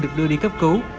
được đưa đi cấp cứu